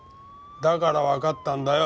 だからわかったんだよ。